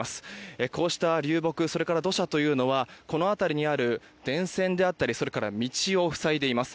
こうした流木そして土砂というのはこの辺りにある電線だったり道を塞いでいます。